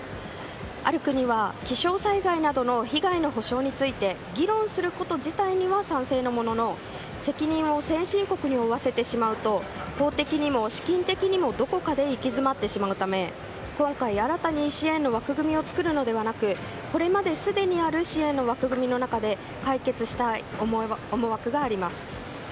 ある国は、気象災害などの被害の補償について議論すること自体には賛成なものの責任を先進国に負わせてしまうと法的にも資金的にもどこかで行き詰まってしまうため今回、新たに支援の枠組みを作るのではなくこれまですでにある支援の枠組みの中で解決したい思惑があります。